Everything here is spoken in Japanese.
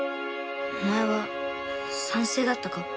お前は賛成だったか？